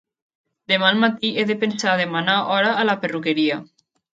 Demà al matí he de pensar a demanar hora a la perruqueria.